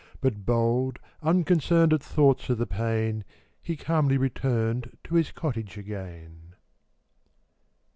But bold, unconcern'd At thoughts of the pain, He calmly return'd To his cottage again.